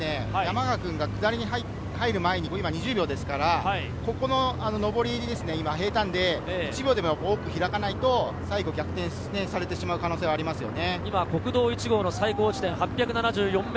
そうなると、この先、山川君が下りに入る前、今、２０秒ですから、平たんで１秒でも多く開かないと最後、逆転されてしまう可能性がありますね。